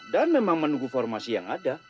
dan memang menunggu formasi yang ada